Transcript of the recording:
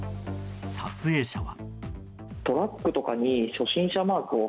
撮影者は。